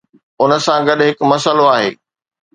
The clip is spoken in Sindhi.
ان سان گڏ هڪ مسئلو آهي.